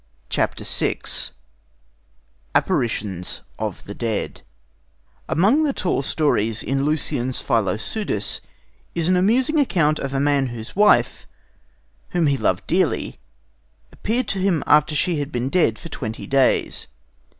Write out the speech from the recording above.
21. 3.] VI APPARITIONS OF THE DEAD Among the tall stories in Lucian's Philopseudus is an amusing account of a man whose wife, whom he loved dearly, appeared to him after she had been dead for twenty days.